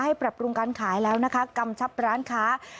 ปรับปรุงการขายแล้วนะคะกำชับร้านค้า